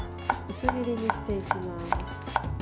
薄切りにしていきます。